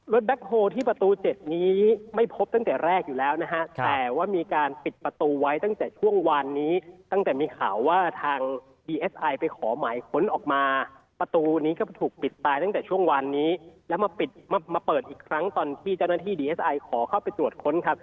รถแบคโฮลที่ประตู๗นี้ไม่พบตั้งแต่แรกอยู่แล้วนะฮะ